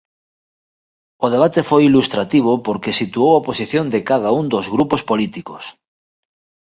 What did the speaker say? O debate foi ilustrativo porque situou a posición de cada un dos grupos políticos.